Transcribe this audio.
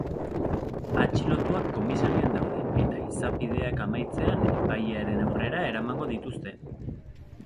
Atxilotuak komisarian daude eta izapideak amaitzean epailearen aurrera eramango dituzte.